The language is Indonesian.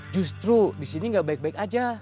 justru di sini gak baik baik aja